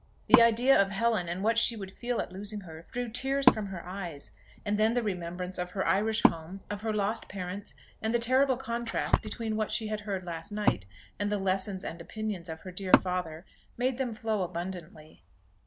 The idea of Helen, and what she would feel at losing her, drew tears from her eyes; and then the remembrance of her Irish home, of her lost parents, and the terrible contrast between what she had heard last night, and the lessons and opinions of her dear father, made them flow abundantly.